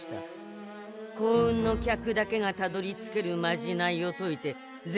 幸運の客だけがたどりつけるまじないをといて銭